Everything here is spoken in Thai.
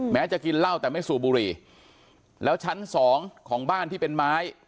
จะกินเหล้าแต่ไม่สูบบุหรี่แล้วชั้นสองของบ้านที่เป็นไม้